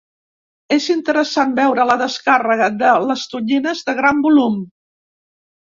És interessant veure la descàrrega de les tonyines de gran volum.